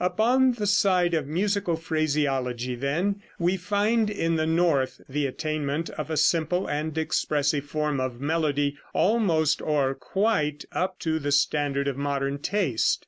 Upon the side of musical phraseology, then, we find in the north the attainment of a simple and expressive form of melody almost or quite up to the standard of modern taste.